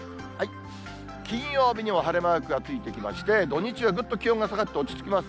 金曜日にも晴れマークがついてきまして、土日はぐっと気温が下がって、落ち着きます。